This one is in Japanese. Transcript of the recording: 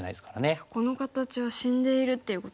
じゃあこの形は死んでいるっていうことですか。